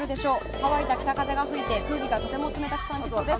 乾いた北風が吹いて空気がとても冷たく感じそうです。